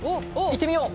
行ってみよう。